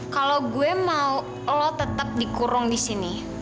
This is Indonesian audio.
kalau gue mau lo tetap dikurung disini